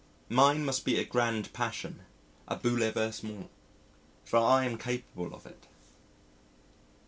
Mine must be a grand passion, a bouleversement for I am capable of it.